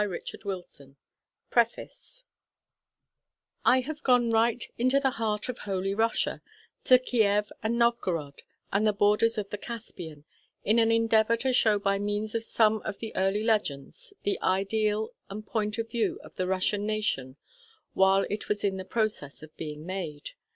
MARTIN'S STREET, LONDON 1916 PREFACE I have gone right into the heart of "Holy Russia," to Kiev and Novgorod and the borders of the Caspian, in an endeavour to show by means of some of the early legends the ideals and point of view of the Russian nation while it was in the process of being made.